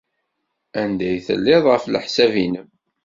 Anda ay tellid, ɣef leḥsab-nnem?